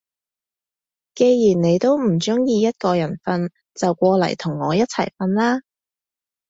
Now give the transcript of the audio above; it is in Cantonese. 既然你都唔中意一個人瞓，就過嚟同我一齊瞓啦